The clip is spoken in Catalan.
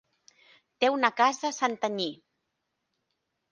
Té una casa a Santanyí.